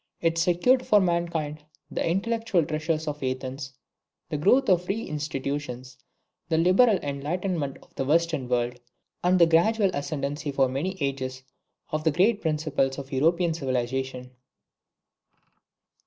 It secured for mankind the intellectual treasures of Athens, the growth of free institutions the liberal enlightenment of the Western world, and the gradual ascendency for many ages of the great principles of European civilisation.